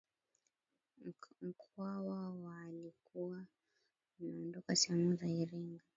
Mkwawa alikuwa ameondoka sehemu za Iringa